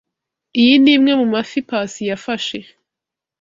Iyi ni imwe mu mafi Pacy yafashe.